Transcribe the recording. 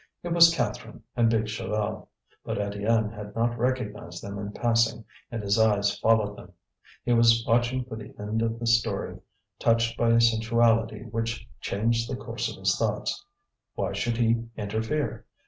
It was Catherine and big Chaval. But Étienne had not recognized them in passing, and his eyes followed them; he was watching for the end of the story, touched by a sensuality which changed the course of his thoughts. Why should he interfere?